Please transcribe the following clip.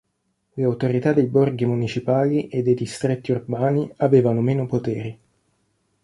Le autorità dei borghi municipali e dei distretti urbani avevano meno poteri.